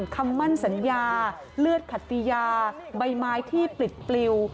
คำมั่นสัญญาเลือดขัตติยาใบไม้ที่ปลิดปลิว